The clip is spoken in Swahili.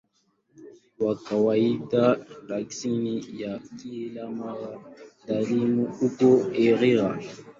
Kwa kawaida, lakini si kila mara, dalili hutokea haraka.